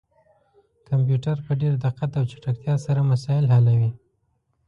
کمپيوټر په ډير دقت او چټکتيا سره مسايل حلوي